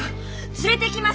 連れてきます！